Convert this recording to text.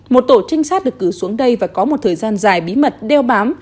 một tổ trinh sát được cử xuống đây và có một thời gian dài bí mật đeo bám